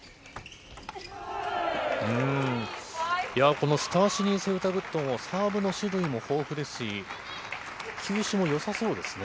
このスタシニ・セウタブットも、サーブの種類も豊富ですし、球種もよさそうですね。